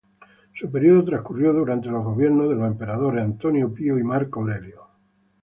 Su período transcurrió durante los gobiernos de los emperadores Antonio Pío y Marco Aurelio.